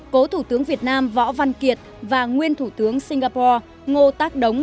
cố thủ tướng việt nam võ văn kiệt và nguyên thủ tướng singapore ngô tác đống